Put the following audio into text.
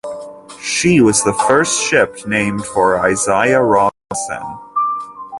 She was the first ship named for Isaiah Robinson.